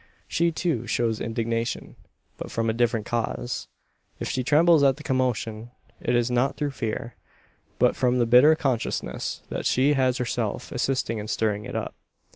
She too shows indignation; but from a different cause. If she trembles at the commotion, it is not through fear; but from the bitter consciousness that she has herself assisted in stirring it up.